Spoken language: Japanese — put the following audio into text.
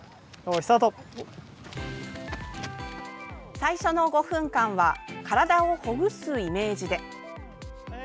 最初の５分間は体をほぐすイメージで。